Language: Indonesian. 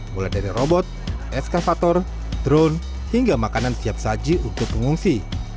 mulai dari robot eskavator drone hingga makanan siap saji untuk pengungsi